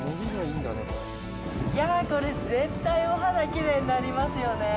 いやぁ、これ、絶対、お肌、きれいになりますよね。